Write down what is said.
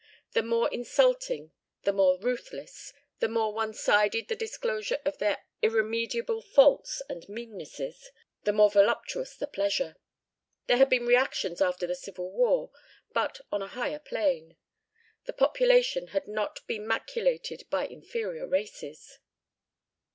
The more insulting, the more ruthless, the more one sided the disclosure of their irremediable faults and meannesses, the more voluptuous the pleasure. There had been reactions after the Civil War, but on a higher plane. The population had not been maculated by inferior races.